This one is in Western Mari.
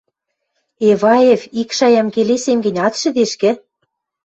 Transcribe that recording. Эваев, ик шаям келесем гӹнь, ат шӹдешкӹ?